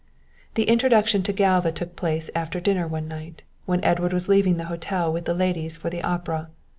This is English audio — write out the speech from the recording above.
The introduction to Galva took place after dinner one night, when Edward was leaving the hotel with the ladies for the opera.